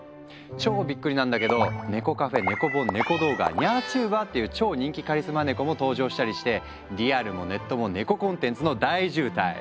超びっくりなんだけど猫カフェネコ本ネコ動画ニャーチューバーっていう超人気カリスマネコも登場したりしてリアルもネットもネココンテンツの大渋滞。